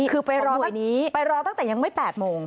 คือไปรอตั้งแต่ยังไม่๘โมง